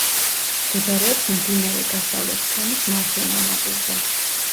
მდებარეობს მდინარე დასავლეთ ფრონის მარჯვენა ნაპირზე.